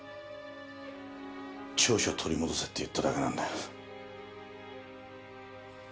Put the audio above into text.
調書取り戻せって言っただけなんだ。